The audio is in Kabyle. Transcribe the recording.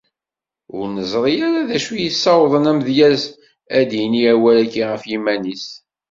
Ur nezṛi ara d acu i yessawḍen amdyaz ad d-yini awal-agi ɣef yiman-is.